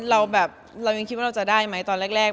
เรายังคิดว่าเราจะได้ไหมตอนแรก